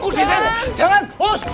eh kudesan jangan us